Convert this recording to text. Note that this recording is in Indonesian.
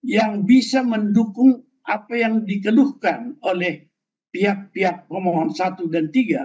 yang bisa mendukung apa yang dikeluhkan oleh pihak pihak pemohon satu dan tiga